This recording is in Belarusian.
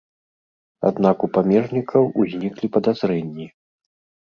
Аднак у памежнікаў узніклі падазрэнні.